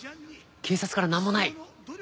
警察からなんもない？